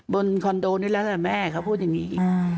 บนคอนโดนี้แหละแม่เค้าพูดอย่างนี้